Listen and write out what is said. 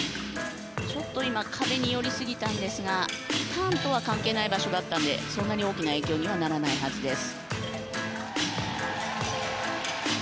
ちょっと今、壁に寄りすぎたんですがターンとは関係ない場所だったのでそんなに大きな影響はないと思います。